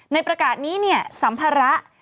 ในประกาศนี้เนี่ยสัมภาระ